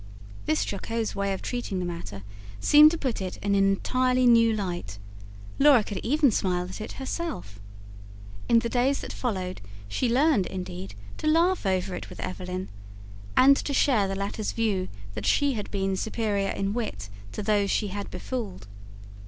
This jocose way of treating the matter seemed to put it in an entirely new light; Laura could even smile at it herself. In the days that followed, she learned, indeed, to laugh over it with Evelyn, and to share the latter's view that she had been superior in wit to those she had befooled.